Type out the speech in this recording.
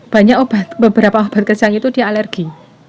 banyak obat beberapa obat kecang itu dia alergi